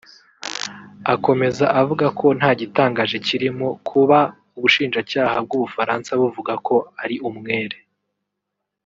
Akomeza avuga ko nta gitangaje kirimo kuba ubushinjacyaha bw’u Bufaransa buvuga ko ari umwere